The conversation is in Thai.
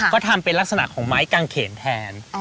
ก็ทำเป็นลักษณะของไม้กางเขนแทน